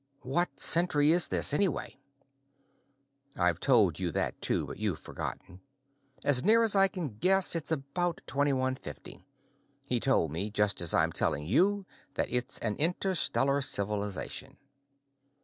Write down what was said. "What century is this, anyway?" I'd told you that, too, but you've forgotten. "As near as I can guess, it's about 2150. He told me, just as I'm telling you, that it's an interstellar civilization."